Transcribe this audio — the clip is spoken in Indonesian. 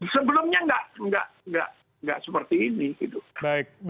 sebelumnya tidak seperti ini